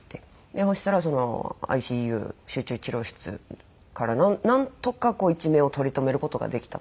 そしたらＩＣＵ集中治療室からなんとか一命を取り留める事ができたと。